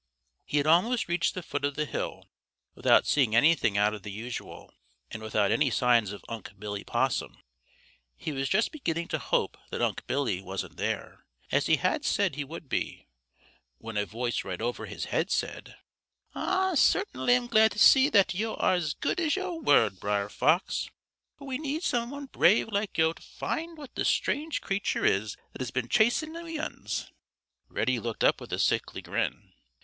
He had almost reached the foot of the hill without seeing anything out of the usual and without any signs of Unc' Billy Possum. He was just beginning to hope that Unc' Billy wasn't there, as he had said he would be, when a voice right over his head said: "Ah cert'nly am glad to see that yo' are as good as your word, Brer Fox, fo' we need some one brave like yo' to find out what this strange creature is that has been chasing we uns." Reddy looked up with a sickly grin.